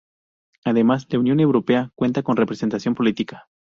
Además, la Unión Europea cuenta con representación política.